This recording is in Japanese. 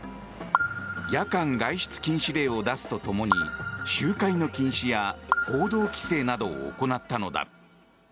夜間外出禁止令を出すと共に集会の禁止や報道規制などを行ったのだ。